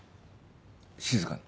静かに。